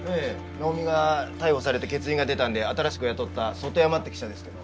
能見が逮捕されて欠員が出たんで新しく雇った外山って記者ですけど。